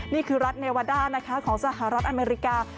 นี่คือรัฐเนวาด้านะคะของสหรัฐอเมริกา